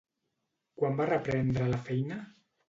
Quan va reprendre la feina?